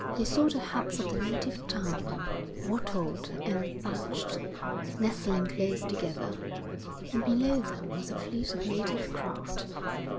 They saw the huts of the native town, wattled and thatched, nestling close together; and below them was a fleet of native craft.